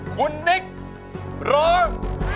คุณนิกร้อง